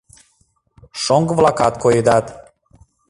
Шоҥго-влакат коедат.